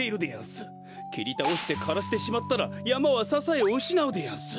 きりたおしてからしてしまったらやまはささえをうしなうでやんす。